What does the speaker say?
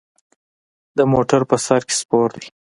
د موټر په سر کې سپور دی.